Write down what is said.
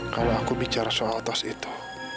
kalau aku bicara soal tas itu